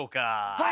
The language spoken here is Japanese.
はい。